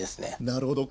なるほど。